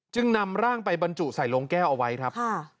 จึงนำร่างไปบรรจุใส่โรงแก้วเอาไว้ครับ